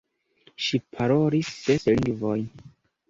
Ŝi parolis ses lingvojn.